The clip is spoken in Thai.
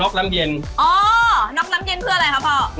อ๋อน็อกน้ำเย็นเพื่ออะไรครับพ่อ